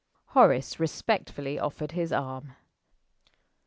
Horace respectfully offered his arm.